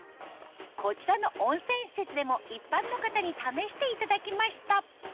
こちらの温泉施設でも一般の方に試していただきました